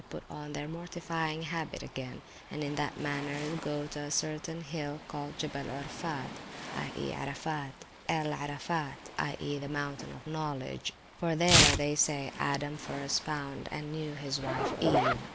e.} put on their mortifying habit again, and in that manner go to a certain hill called Gibbel el Orphat (El Arafat), i.e. the Mountain of Knowledge; for [p.374] there, they say, Adam first found and knew his wife Eve.